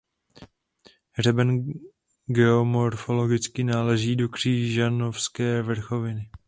Hřeben geomorfologicky náleží do Křižanovské vrchoviny.